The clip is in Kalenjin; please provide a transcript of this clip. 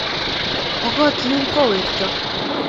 okot yunonko werto